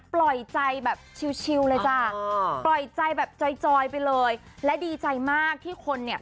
ปล่อยใจแบบชิวเลยจ้ะปล่อยใจแบบจอยจอยไปเลยและดีใจมากที่คนเนี่ย